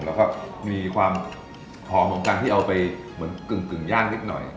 แล้วก็มีความหอมของการที่เอาไปเหมือนกึ่งย่างนิดหน่อย